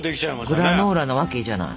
グラノーラのわけじゃない。